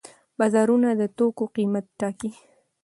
بازارونه د توکو قیمت ټاکي.